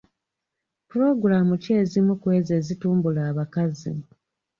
Pulogulaamu ki ezimu ku ezo ezitumbula abakazi?